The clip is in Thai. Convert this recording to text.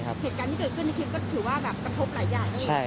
เหตุการณ์ที่เกิดขึ้นประเทศก็ถือว่าประชบหลาย